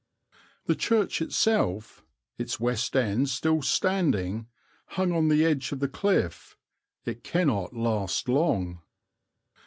The church itself its west end still standing hung on the edge of the cliff; it cannot last long.